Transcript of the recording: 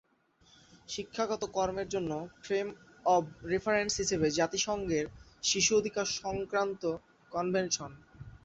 শিক্ষাগত কর্মের জন্য ফ্রেম অব রেফারেন্স হিসেবে জাতিসংঘের শিশু অধিকার সংক্রান্ত কনভেনশন।